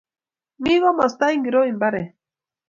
Mi komasta ingoro mbaret?